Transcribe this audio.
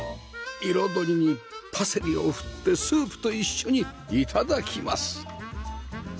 彩りにパセリを振ってスープと一緒に頂きます